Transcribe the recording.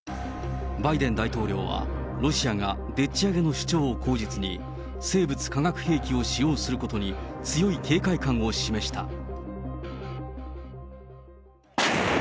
バイデン大統領は、ロシアがでっち上げの主張を口実に、生物化学兵器を使用することに、強い警戒感を示した。